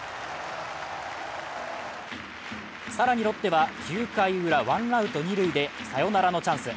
更にロッテは９回ウラ、ワンアウト二塁でサヨナラのチャンス。